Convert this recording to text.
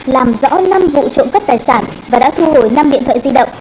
làm rõ năm vụ trộm cắp tài sản và đã thu hồi năm điện thoại di động